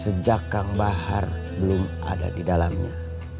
sejak kang bahar belum ada di dalamnya